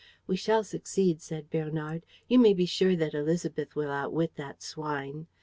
"We shall succeed," said Bernard. "You may be sure that Élisabeth will outwit that swine.